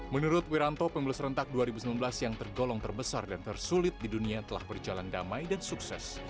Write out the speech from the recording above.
menurut wiranto pemilu serentak dua ribu sembilan belas yang tergolong terbesar dan tersulit di dunia telah berjalan damai dan sukses